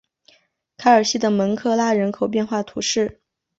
凯尔西的蒙克拉人口变化图示